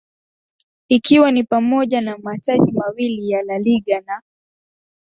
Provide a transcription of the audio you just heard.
Ikiwa ni pamoja na mataji mawili ya La Liga na